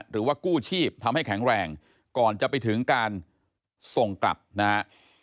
หรือว่ากู้ชีพทำให้แข็งแรงก่อนจะไปถึงการส่งกลับนะฮะ